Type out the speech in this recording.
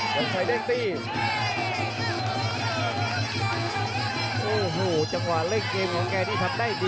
กระโดยสิ้งเล็กนี่ออกกันขาสันเหมือนกันครับ